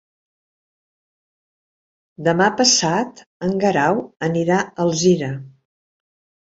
Demà passat en Guerau anirà a Alzira.